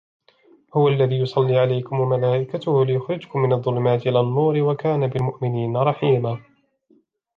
هو الذي يصلي عليكم وملائكته ليخرجكم من الظلمات إلى النور وكان بالمؤمنين رحيما